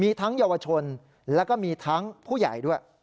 มีทั้งเยาวชนแล้วก็มีทั้งผู้ใหญ่ด้วย